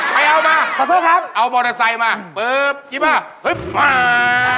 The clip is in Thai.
ไปเอามาเอาบอเตอร์ไซค์มาปุ๊บจริงป่ะปุ๊บบ้า